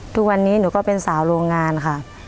ทุกวันนี้หนูก็เป็นสาวโรงงานค่ะ